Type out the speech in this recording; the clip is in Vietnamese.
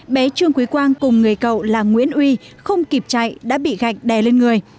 bé trương quý quang cùng người cậu là nguyễn uy không kịp chạy đã bị gạch đè lên người